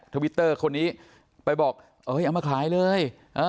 ทวิตเตอร์คนนี้ไปบอกเอ้ยเอามาขายเลย